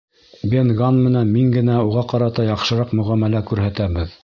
Бен Ганн менән мин генә уға ҡарата яҡшыраҡ мөғәмәлә күрһәтәбеҙ.